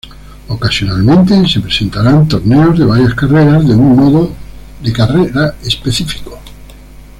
Ocasionalmente, se presentarán torneos de varias carreras de un modo de carrera específico.